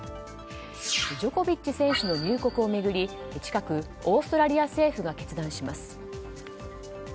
ジョコビッチ選手の入国を巡り近く、オーストラリア政府が決断します。